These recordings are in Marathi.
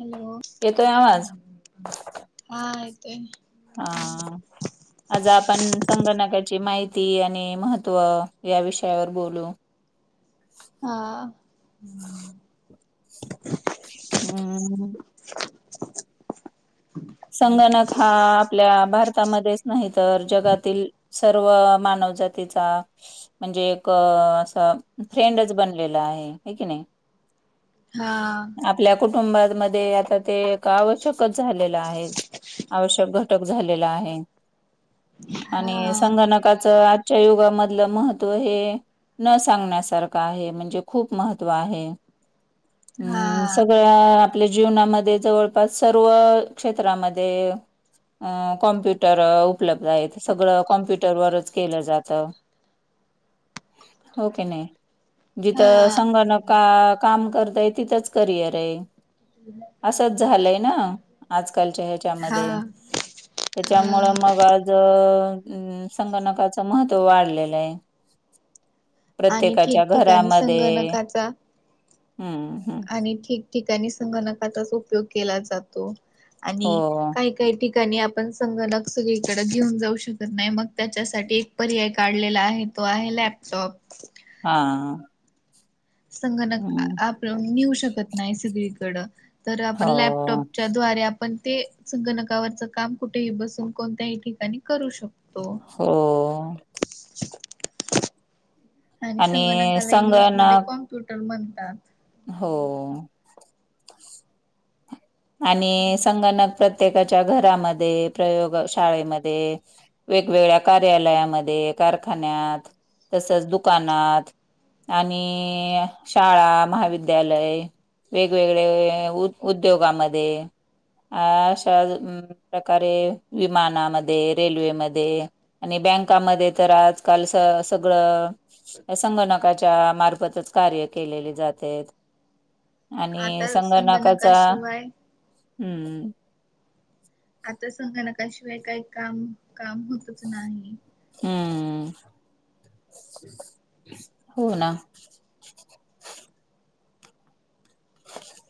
हॅलो. येतोय आवाज [unintelligible] हाय. हा आज आपण संगणकाची माहिती आणि महत्त्व या विषयावर बोलू. हा. हम्म. संगणक हा आपल्या भारतामध्येच नाही तर जगातील सर्व मानवजातीचा म्हणजे एक असं फ्रेंडच बनलेला आहे हेकी नाही. हा. आपल्या कुटुंबातमध्ये आता ते एक आवश्यकच झालेलं आहे. आवश्यक घटक झालेल आहे हा आणि संगणकाच आ - - जच्या युगामधलं महत्त्व हे- - न सांगण्यासारखं आहे म्हणजे खूप महत्त्व आहे. हा हम्, सगळ्या आपल्या जीवनामध्ये जवळपास सर्व - - क्षेत्रामध्ये अ कॉम्प्युटर उपलब्ध आहेत. सगळं कॉम्प्युटरवरच - - केलं जात. हो किनी. जिथं हा संगणक अ काम करतय तिथंच करिअर हये. [unintelligible] पहिलं कस असत. आजकालच्या ह्याच्यामध्ये त्याच्यामुळं मग आज अ-अ-अ - - अमम, संगणकाचं महत्व वाढलेलं हाय. आणि प्रत्येकाच्या ठिकठिकाणी घरामध्ये. संगणकाचा हम्म-हम्म. आणि ठिकठिकाणी संगणकाचाच उपयोग केला जातो हो आणि काही - - काही ठिकाणी आपण संगणक सगळीकडें घेऊन जाऊ शकत नाही मग त्याच्यासाठी - - पर्याय काढलेला आहे. तो आहे लॅपटॉप. हा-हा. संगणक आप मिळऊ शकत नाही सगळीकडं तर आपण हो लॅपटॉपच्या द्वारे पण ते संगणकावरच काम कुठेही बसून कोणत्याही ठिकाणी करू शकतो. हो [unintelligible] आणि संगणकाला इंग्लिशमध्ये कॉम्प्युटर म्हणतात. हो आणि संगणक प्रत्येकाच्या घरामध्ये प्रयोग शाळेमध्ये वेगवेगळ्या कार्यालयामध्ये कारखान्यात तसच दुकानात आणि अ शाळा महाविद्यालय वेगवेगळे उद्योगामध्ये अ अशा प्रकारे विमानामध्ये रेल्वेमध्ये आणि बँकामध्ये तर आजकाल स सगळं संगणकाच्या मार्फतच कार्य केलेले जातेत. आणि आता संगनाकाचा, संगणकाशिवाय हम्म आता संगणकाशिवाय काही काम-काम होतच नाही. हम्म, हो ना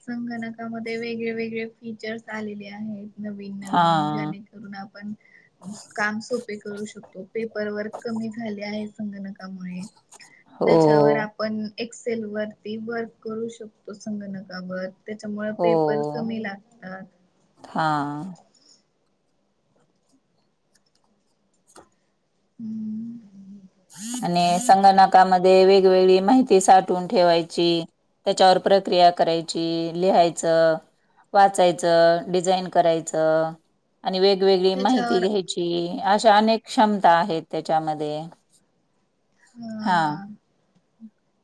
संगणकामध्ये वेगळे-वेगळे फीचर्स आलेले आहेत. हा नवीन-नवीन जनेकर म्हणून आपण काम सोपे करू शकतो. पेपर वर्क कमी झाले आहे संगणकामुळे हो त्याच्यावर आपण एक्सेल वरती वर्क करू शकतो. संगणकावर त्याच्यामुळे हो पेपर कमी लागतात. हा हम्म आणि संगणकामध्ये वेगवेगळी माहिती साठ वून ठेवायची त्याच्यावर प्रक्रिया करायची लिहायच. वाचायचं डिझाईन करायचं. आणि वेगवेगळी माहिती त्याच्यावर घ्यायची अशा अनेक क्षमता आहेत. त्याच्यामध्ये हा हा-अ-आ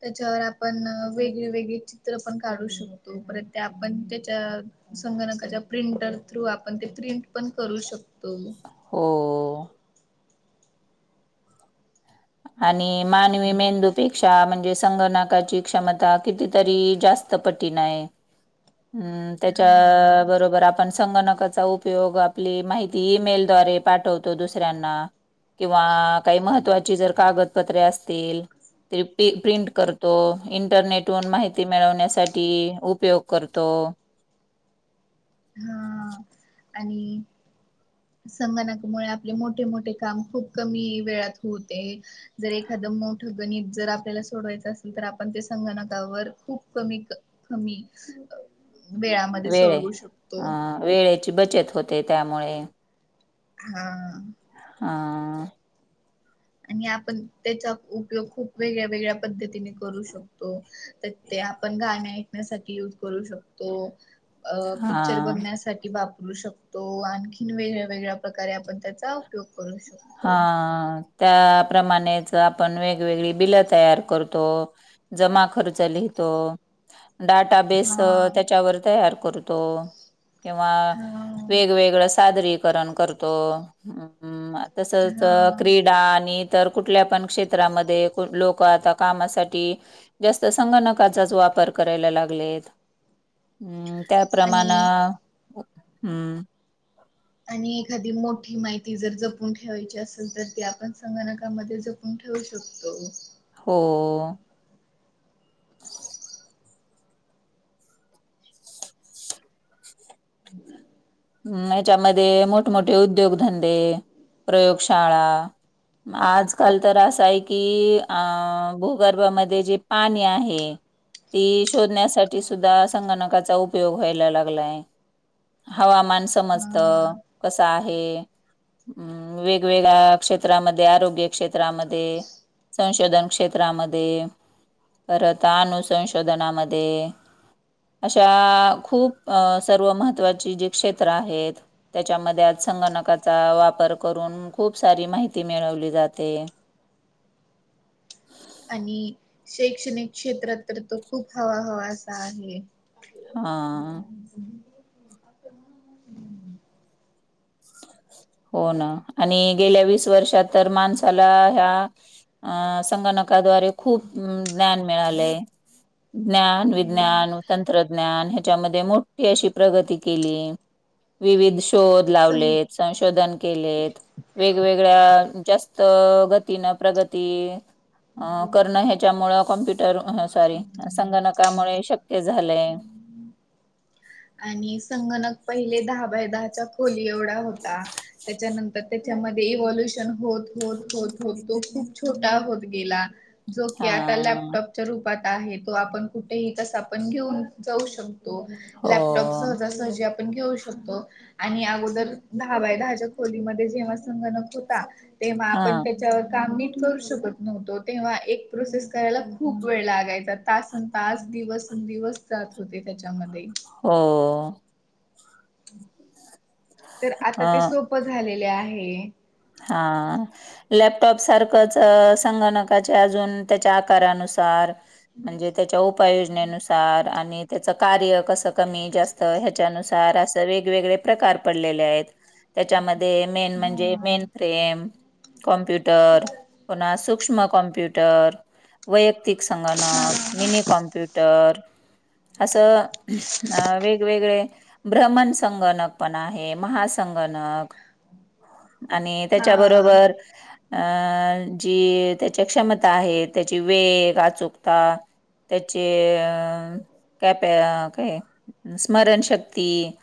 त्याच्यावर आपण वेगळी-वेगळी चित्र पण काढू शकतो. परत त्या आपण त्याच्या संगणकाच्या प्रिंटर थ्रू आपण ते प्रिंट पण करू शकतो. हो आणि मानवी मेंदूपेक्षा म्हणजे संगणकाची क्षमता कितीतरी जास्त पटीन आहे. हम्म त्याच्या हा बरोबर आपण संगणकाचा उपयोग आपली माहिती ईमेलद्वारे पाठवतो. दुसऱ्यांना किंवा काही महत्त्वाची जर कागदपत्रे आसतील ते पी प्रिंट करतो इंटरनेट हून माहिती मिळवण्यासाठी उपयोग करतो. हा आणि संगणकामुळे आपले मोठे मोठे काम खूप कमी वेळात होते. जर एखादं मोठं गणित जर आपल्याला सोडवायचं असेल तर आपण त्या संगणकावर खूप कमी कमी वेळा म वेळे अ वेळेची बचत होते त्यामुळे हा. हा. आणि आपण त्याचा उपयोग खूप वेगळ्या वेगळ्या पद्धतीने करू शकतो. ते ते आपण गाण ऐकण्यासाठी युज करू शकतो अ पिक्चर हां बघण्यासाठी वापरू शकतो आणखीन वेगळ्या वेगळ्या प्रकारे आपण त्याचा उपयोग करू शकतो. हा त्याप्रमाणेच आपण वेगवेगळी बिलं तयार करतो. जमा खर्च लिहितो डाटाबेस हा त्याच्यावर तयार करतो. किंवा हा वेगवेगळं सादरी करणं करतो. अंम-म तसच हा क्रीडा आणि तर कुठल्या पण क्षेत्रामध्ये लोक आता कामासाठी जास्त संगणकाचाच वापर करायला लागलेत. हम्म, त्याप्रमाण आणि हम्म आणि एखादी मोठी माहिती जर जपून ठेवायची असेल तर ते आपण संगणकामध्ये जप वून ठेवू शकतो. हो. हम् याच्यामध्ये मोठमोठे उद्योगधंदे, प्रयोगशाळा आजकाल तर असं आहे की अ भूगर्भामध्ये जे पाणी आहे ती शोधण्यासाठी सुद्धा संगणकाचा उपयोग व्हायला लागलाय. हवामान समजत हा कसं आहे. हम् वेगवेगळ्या क्षेत्रामध्ये आरोग्य क्षेत्रामध्ये संशोधन क्षेत्रामध्ये, परत आनुसंशोधनामध्ये, अशा खूप सर्व महत्त्वाची जी क्षेत्र आहेत त्याच्यामध्ये आज संगणकाचा वापर करून खूप सारी माहिती मिळवली जाते. आणि शैक्षणिक क्षेत्रात तर तो खूप हवा हवा अस आहे. [inaudible] हा हो ना आणि गेल्या वीस वर्षात तर माणसाला ह्या अ संगणकाद्वारे खूप ज्ञान मिळालंय. ज्ञान, अ विज्ञान तंत्रज्ञान ह्याच्यामध्ये मोठी अशी प्रगती केली विविध शोध लावले सं संश दिलेत वेगवेगळ्या जास्त गतीन प्रगती अ करणं ह्याच्यामुळ कॉम्प्युटर सॉरी संगणकामुळे शक क्य झालंय. आणि संगणक पहिले दहा बाय दहाच्या खोली एवढा होता. त्याच्यानंतर तेच्यामध्ये इव्हाल्युशन होत होत होत होत तो खूप छोटा होत गेला. जो की आता हां. लॅपटॉप च्या रूपात आहे तो आपण कुठेही कसा पण घेऊन जाऊ शकतो. हो. लॅपटॉप सहजासहजी आपण घेऊ शकतो. आणि आगोदर दहा बाय दहाच्या खोलीमध्ये जेव्हा संगणक होता ते म आपण हां. त्याच्यावर काम नीट करू शकत नव्हतो तेव्हा एक प्रोसेस करायला खूप वेळ लागायचा तासन तास दिवसं दीवस जात होते त्याच्यामध्ये हो तर आता अ ते सोपं झालेले आहे. हा लॅपटॉप सारखंच संगणकाचे अजून त्याच्या आकारानुसार. म्हणजे त्याच्या उपाययोजनेनुसार. आणि त्याच कार्य कसं कमी जास्त ह्याच्यानुसार असं वेगवेगळे. प्रकार पडलेले आहेत. त्याच्यामध्ये मेन म्हणजे मेन हा. Frame computer. पु सूक्ष्म कम्प्यूटर. वैयक्तिक संगणक मिनी कॉम्प्युटर असं. अ वेगवेगळे भ्रमण संगणक पण आहे महासंगणक. आणि हा त्याच्याबरोबर. अं जी त्याची क्षमता आहे त्याची वेग अचुकता. त्याचे अ का प काय स्मरणशक्ती.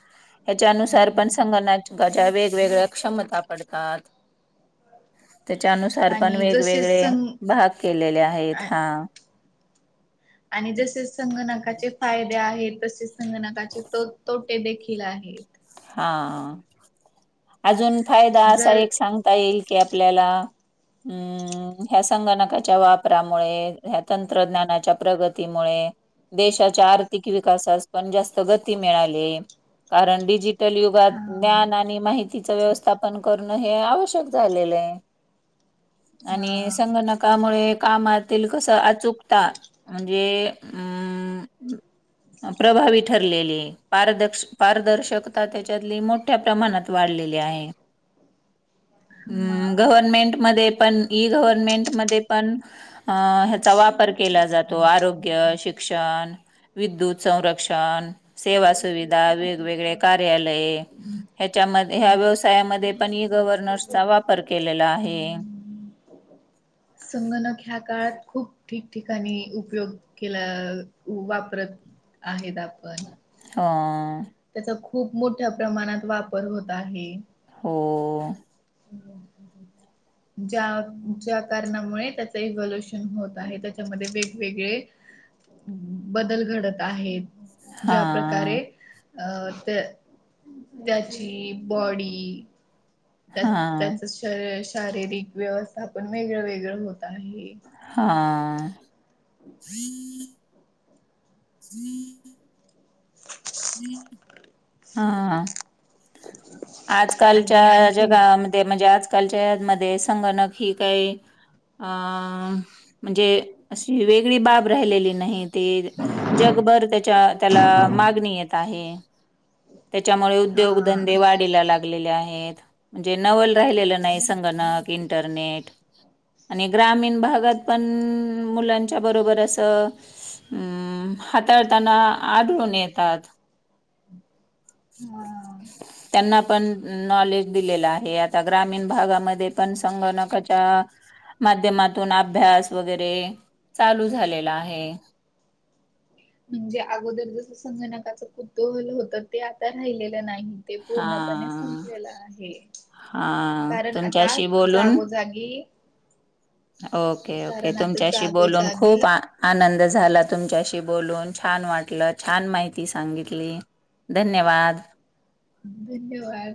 याच्यानुसार पण संगणच्या वेगवेगळ्या क्षमता पडतात. त्याच्यानुसार पण आणि जसे वेगवेगळे सं भाग केलेले आहेत हा. आणि जसे संगणकाचे फायदे आहेत तसेच संगणकाचे तो तोटे देखील केला आहेत. हा आजून फायदा असा जर एक सांग ता येईल की आपल्याला हुं ह ह्या संगणकाच्या वापरामुळे ह तंत्रज्ञानाच्या प्रगतीमुळे. देशाच्या आर्थिक विकासा पण जास्त गती मिळाली कारण डिजि. काली युगात हा ज्ञान आणि माहितीच व्यवस्थापन करणं हे आवश्यक झालेलं आहे. हा आणि संगणकामुळे कामातील कसं अचुकता. म्हणजे हम्म. प्रभावी ठरलेली पद पारदर्शक. आता त्याच्यातली मोठ्या प्रमाणात वाढलेली आहे. हम्म हा गव्हर्नमेंटमध्ये पण ई गव्हर्नमेंटमध्ये पण. अं ह्याचा वापर केला जातो आरोग्य शिक्षण. विद्युत संरक्षण सेवा सुविधा वेगवेगळे कार्यालय. ह्याच्यामध्ये ह्या व्यवसायामध्ये पण ई गव्हर्नर्सचा वापर केलेला आहे. गणक ह्या काळात खूप ठिकठिकाणी उपयोग केला वापरत. आहेत आपण. हो त्याचा खूप मोठ्या प्रमाणात वापर होत आहे. हो [inaudible] ज्या ज्या कारणामुळे त्याच इव्होल्युशन होत आहे त्याच्यामध्ये वेगवेगळे. बदल घडत आहेत हा ज्या प्रकारे. अ ते त्याची बॉडी. त्यात हा त्याच श शारीरिक व्यवस्था पण वेगळं वेगळं होत आहे. हा. ह हा आणि आजकालच्या आणखीन जगामध्ये. ते म्हणजे आजकालच्यामध्ये संगणक ही. काही अ म्हणजे अशी वेगळी बाब राहिलेली नाहीत. ते जगभर त्याच्या त्याला मागणी येत. त्याच्यामुळे हा उद्योगधंदे वाढीला लाग. आहेत म्हणजे नवल राहिलेलं नाही संगणक इंटरनेट आणि ग्रामीण भागात पण मुलांच्या बरोबर अस अ हाताळताना आढळून येतात ह त्यांना पण नॉलेज दिलेलं आहे आता ग्रामीण भागामध्ये पण संगणकाच्या माध्यमातून अभ्यास वगैरे चालू झालेला आहे म्हणजे अगोदर जसं संगणकाचं कुतूहल होत ते आता राहिलेलं नाही ते हा पूर्णपणे संपलेलं आहे हा कारण आता तुमच्याशी बोलून जागोजागी ओके ओके कारण आता तुमच्याशी बोलून जागोजागी खूप आनंद झाला तुमच्याशी बोलून छान वाटलं छान माहिती सांगितली धन्यवाद धन्यवाद